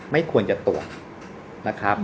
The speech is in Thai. ไม่ควรจะตรวจนะครับ